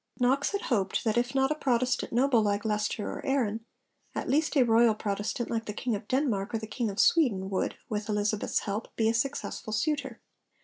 Knox had hoped that if not a Protestant noble like Leicester or Arran, at least a royal Protestant like the King of Denmark or the King of Sweden, would, with Elizabeth's help, be a successful suitor.